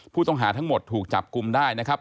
ผู้ต้องหาทั้งหมดถูกจับกลุ่มได้นะครับ